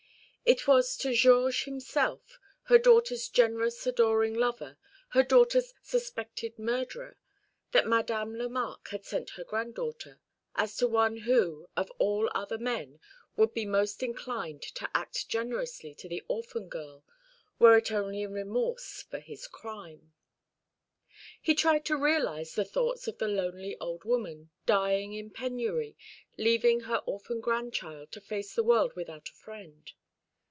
It was to Georges himself her daughter's generous adoring lover, her daughter's suspected murderer that Madame Lemarque had sent her granddaughter, as to one who, of all other men, would be most inclined to act generously to the orphan girl, were it only in remorse for his crime. He tried to realise the thoughts of the lonely old woman, dying in penury, leaving her orphan grandchild to face the world without a friend.